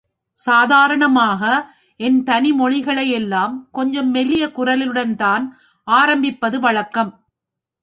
சாதாரணமாக என் தனி மொழிகளையெல்லாம் கொஞ்சம் மெல்லிய குரலுடன்தான் ஆரம்பிப்பது வழக்கம்.